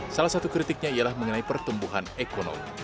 salah satu kritiknya ialah mengenai pertumbuhan ekonomi